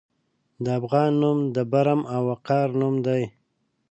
د افغان نوم د برم او وقار نوم دی.